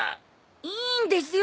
いいんですよ